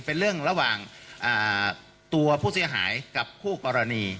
เป็นเรื่องระหว่างตัวผู้เสียหายกับคู่กรณี